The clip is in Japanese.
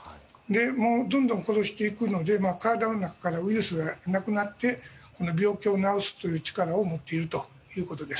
どんどん殺していくので体の中からウイルスがいなくなって病気を治す力を持っているということです。